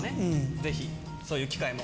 ぜひそういう機会も。